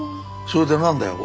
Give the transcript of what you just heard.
それで何だよ。